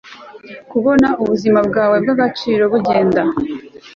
kubona ubuzima bwawe bwagaciro bugenda